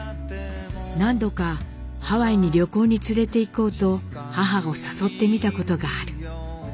何度かハワイに旅行に連れて行こうと母を誘ってみたことがある。